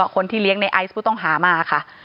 คนที่เลี้ยงในไอซ์ผู้ต้องหามาค่ะ